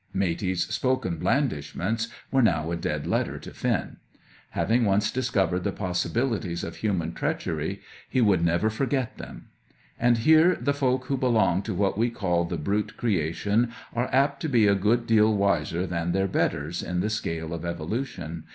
Matey's spoken blandishments were now a dead letter to Finn. Having once discovered the possibilities of human treachery, he would never forget them. And here the folk who belong to what we call the brute creation are apt to be a good deal wiser than their betters in the scale of evolution.